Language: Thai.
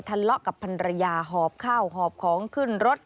ทะเลาะกับพันรยาหอบข้าวหอบของขึ้นรถ